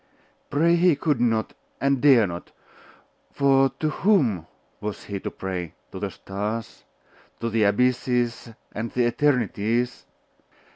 Pray he could not, and dare not; for to whom was he to pray? To the stars? to the Abysses and the Eternities?....